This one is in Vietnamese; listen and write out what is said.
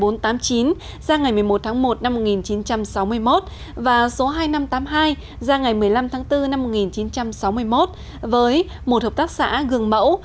ra ngày một mươi một tháng một năm một nghìn chín trăm sáu mươi một và số hai nghìn năm trăm tám mươi hai ra ngày một mươi năm tháng bốn năm một nghìn chín trăm sáu mươi một với một hợp tác xã gương mẫu